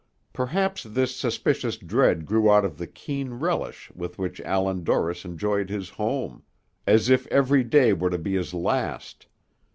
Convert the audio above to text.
Perhaps this suspicious dread grew out of the keen relish with which Allan Dorris enjoyed his home; as if every day were to be his last.